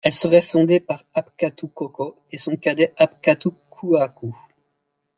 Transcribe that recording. Elle serait fondée par Apkatou Koko et son cadet Apkatou Kouakou.